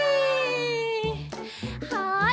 はい！